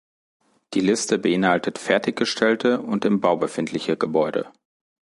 Die Liste beinhaltet fertiggestellte und im Bau befindliche Gebäude.